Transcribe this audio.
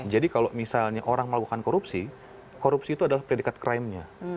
jadi kalau misalnya orang melakukan korupsi korupsi itu adalah predikat krimenya